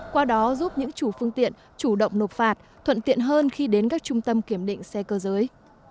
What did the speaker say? qua đó giúp những chủ phương tiện chủ động nộp phạt thuận tiện hơn khi đến các trung tâm kiểm định xe cơ giới